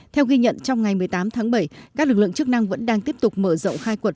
theo ghi nhận trong ngày một mươi tám tháng bảy các lực lượng chức năng vẫn đang tiếp tục mở rộng khai quật